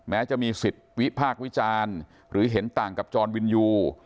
แม้จะมีสิทธิ์วิพากษ์วิจารณ์หรือเห็นต่างกับจรวินยู